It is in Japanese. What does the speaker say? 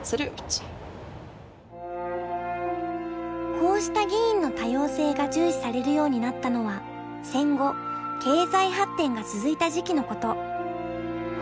こうした議員の多様性が重視されるようになったのは戦後経済発展が続いた時期のこと。